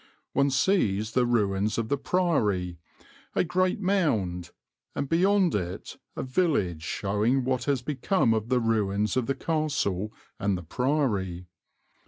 One sees the ruins of the Priory, a great mound, and beyond it a village showing what has become of the ruins of the castle and the Priory.